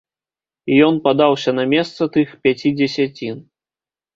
Ён падаўся на месца тых пяці дзесяцін.